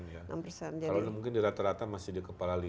kalau mungkin di rata rata masih di kepala lima